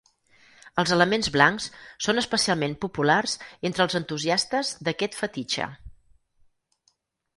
Els elements blancs són especialment populars entre els entusiastes d'aquest fetitxe.